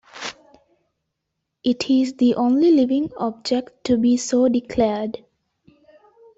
It is the only living object to be so declared.